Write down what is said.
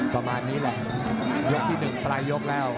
ประมาณนี้แหละยกที่๑ปลายยกแล้ว